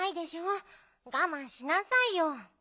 がまんしなさいよ。